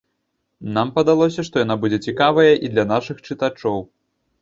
Нам падалося, што яна будзе цікавая і для нашых чытачоў.